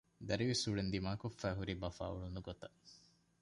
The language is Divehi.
ދަރިވެސް އުޅެން ދިމާކޮށްފައި ހުރީ ބަފާ އުޅުނު ގޮތަށް